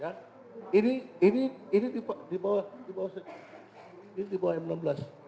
ya ini ini ini di bawah di bawah m enam belas